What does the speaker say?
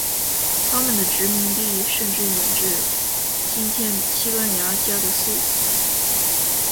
他们的殖民地甚至远至今天西班牙加的斯。